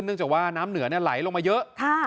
เนื่องจากว่าน้ำเหนือเนี่ยไหลลงมาเยอะค่ะ